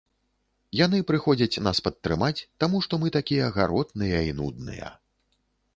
Яны прыходзяць нас падтрымаць, таму што мы такія гаротныя і нудныя.